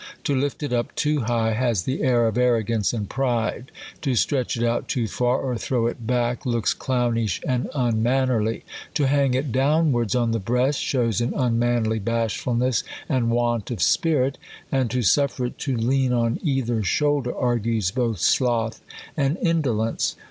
To lift it up too high has the air of aiTO gance and pride ; to stretch it out too far, or throw it kack. THE COLUMBIAN ORATOR. 2i back, looks clownish and unmannerly; to hang it down wards on the breast, shows an unmanly bashfulness and want of spirit : and to suffer it to loan on either shoul der argues both sloth and indolence.